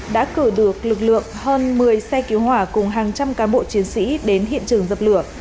đã cử được lực lượng hơn một mươi xe cứu hỏa cùng hàng trăm cán bộ chiến sĩ đến hiện trường dập lửa